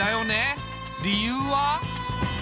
理由は。